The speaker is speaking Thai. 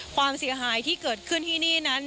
ความเสียหายที่เกิดขึ้นที่นี่นั้น